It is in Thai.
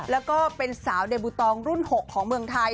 แล้วก็เป็นสาวเดบูตองรุ่น๖ของเมืองไทย